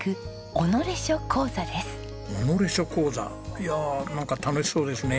「己書幸座」いやあなんか楽しそうですね。